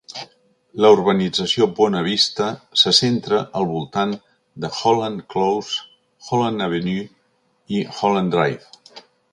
La urbanització Buona Vista se centra al voltant de Holland Close, Holland Avenue i Holland Drive.